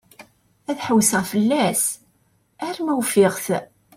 Ad ḥewseɣ fell-as arma ufiɣ-t.